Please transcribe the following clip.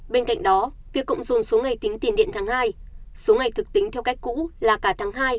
bên cạnh đó việc cộng dồn số ngày tính tiền điện tháng hai số ngày thực tính theo cách cũ là cả tháng hai